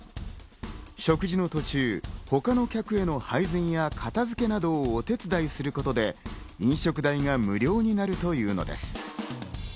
食事の途中、他の客への配膳や片付けなどをお手伝いすることで、飲食代が無料になるというのです。